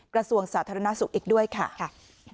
กระทรวงสาธารณสุขอีกด้วยค่ะ